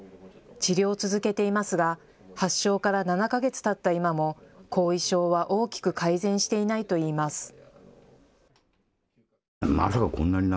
治療を続けていますが発症から７か月たった今も後遺症は大きく改善していないといいます。